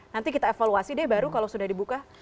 nanti kita evaluasi deh baru kalau sudah dibuka